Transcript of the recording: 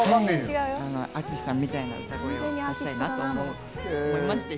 ＡＴＳＵＳＨＩさんみたいな歌声を出したいなと思って。